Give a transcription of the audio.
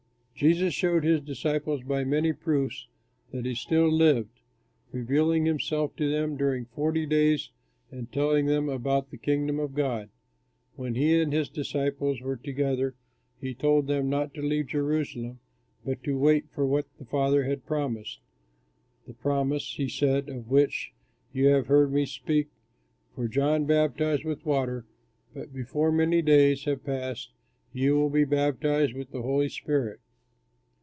Jesus showed his disciples, by many proofs, that he still lived, revealing himself to them during forty days and telling them about the Kingdom of God. When he and his disciples were together he told them not to leave Jerusalem but to wait for what the Father had promised "the promise," he said, "of which you have heard me speak; for John baptized with water, but before many days have passed you will be baptized with the Holy Spirit."